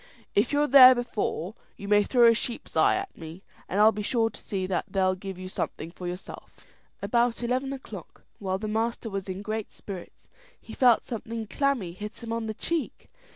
If you're there before, you may throw a sheep's eye at me, and I'll be sure to see that they'll give you something for yourself." About eleven o'clock, while the master was in great spirits, he felt something clammy hit him on the cheek.